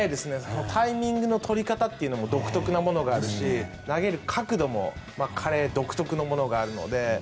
タイミングの取り方というのも独特なものがあるし投げる角度も彼独特のものがあるので。